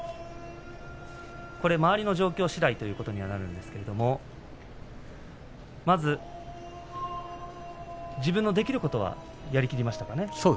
周りの状況しだいということになりますがまず自分のできることはやりきれましたか？